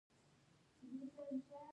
جميله وپوښتل: هغه څه وایي؟